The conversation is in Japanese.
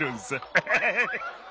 ハハハハ！